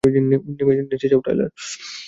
নেচে যাও, টায়লার!